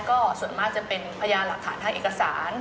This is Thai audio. ก็ส่วนมากจะเป็นพยานหลักฐานทางเอกสาร